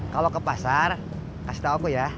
kalau ke pasar kasih tahu aku ya